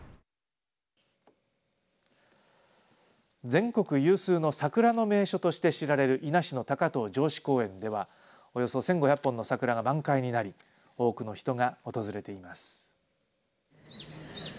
全国有数の桜の名所として知られる伊那市の高遠城址公園ではおよそ１５００本の桜が満開になり多くの人が訪れています。